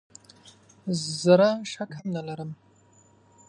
زره شک هم نه لرم .